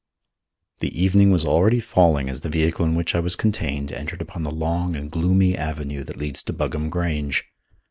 _ The evening was already falling as the vehicle in which I was contained entered upon the long and gloomy avenue that leads to Buggam Grange.